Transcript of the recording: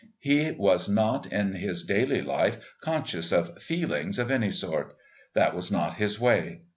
He was not, in his daily life, conscious of "feelings" of any sort that was not his way.